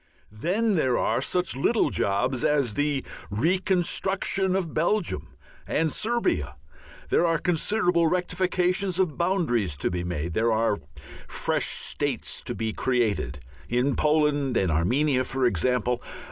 Then there are such little jobs as the reconstruction of Belgium and Serbia. There are considerable rectifications of boundaries to be made. There are fresh states to be created, in Poland and Armenia for example.